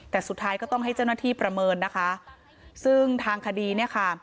แต่สุดท้ายก็ต้องให้เจ้าหน้าที่ประเมินนะคะซึ่งทางคดีเนี่ยค่ะ